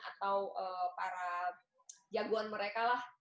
atau para jagoan mereka lah